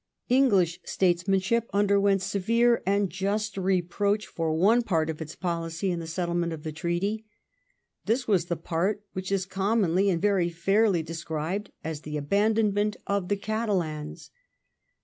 English statesmanship underwent severe and just reproach for one part of its policy in the settlement of the treaty. This was the part which is commonly and very fairly described as the abandonment of the Catalans.